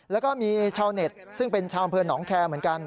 แล้วก็มีชาวเน็ตซึ่งเป็นชาวอำเภอหนองแคร์เหมือนกัน